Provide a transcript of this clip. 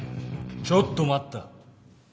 ちょっと待った。